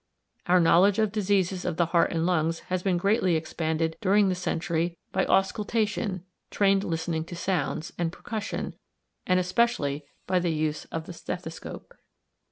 Our knowledge of diseases of the heart and lungs has been greatly expanded during the century by auscultation [trained listening to sounds] and percussion, and especially by the use of the stethoscope.